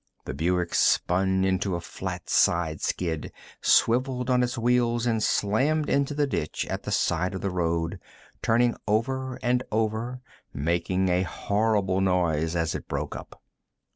The Buick spun into a flat sideskid, swiveled on its wheels and slammed into the ditch at the side of the road, turning over and over, making a horrible noise, as it broke up.